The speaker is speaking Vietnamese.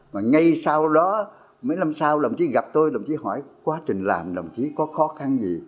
mà ngay sau đó mấy năm sau đồng chí gặp tôi đồng chí hỏi quá trình làm đồng chí có khó khăn gì